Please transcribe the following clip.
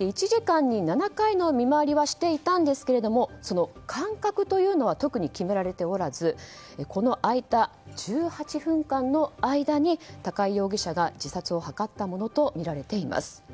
１時間に７回の見回りはしていたんですけれどもその間隔というのは特に決められておらず空いた１８分間の間に高井容疑者が自殺を図ったものとみられています。